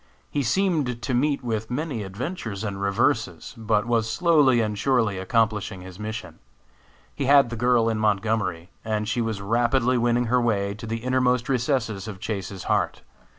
He seemed to meet with many adventures and reverses, but was slowly and surely accomplishing his mission. He had the girl in Montgomery, and she was rapidly winning her way to the innermost recesses of Chase's heart.